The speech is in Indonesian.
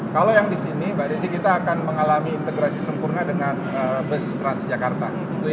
kalau yang di sini mbak desi kita akan mengalami integrasi sempurna dengan bus transjakarta